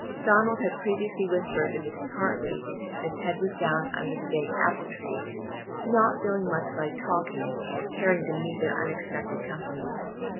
Donald had previously whispered to Mrs. Hartley that Ted was down under the big apple tree, not feeling much like talking or caring to meet their unexpected company.